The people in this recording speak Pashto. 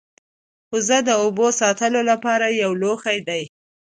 کوزه د اوبو د ساتلو لپاره یو لوښی دی